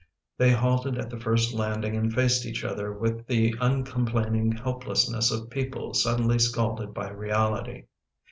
They halted at the first landing and faced each other with the uncomplaining helplessness of people suddenly scalded by reality.